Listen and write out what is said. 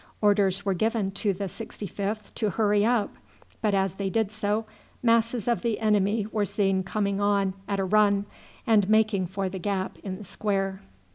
Orders were given to the 65th to hurry up; but as they did so, masses of the enemy were seen coming on at a run and making for the gap in the square.